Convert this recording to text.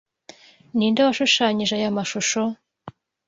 Ninde washushanyije aya mashusho?